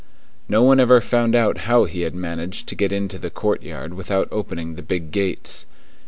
No one ever found out how he had managed to get into the courtyard without opening the big gates.